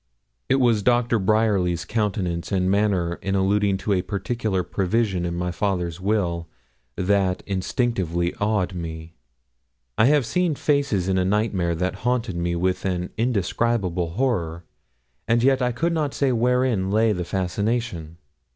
It was Doctor Bryerly's countenance and manner in alluding to a particular provision in my father's will that instinctively awed me. I have seen faces in a nightmare that haunted me with an indescribable horror, and yet I could not say wherein lay the fascination.